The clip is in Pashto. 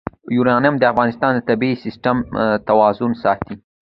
یورانیم د افغانستان د طبعي سیسټم توازن ساتي.